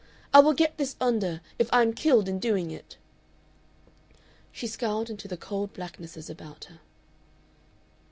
I will get this under if I am killed in doing it!" She scowled into the cold blacknesses about her.